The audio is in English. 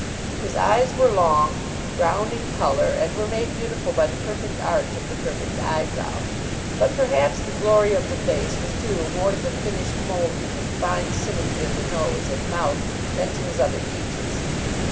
His eyes were long, brown in colour, and were made beautiful by the perfect arch of the perfect eyebrow. But perhaps the glory of the face was due more to the finished moulding and fine symmetry of the nose and mouth than to his other features.